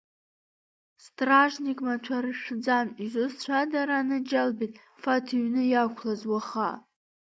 Стражник маҭәа рышәӡам, изусҭцәада ранаџьалбеит, Фаҭ иҩны иақәлаз уаха?